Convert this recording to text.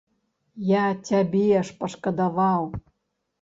Я цябе ж пашкадаваў.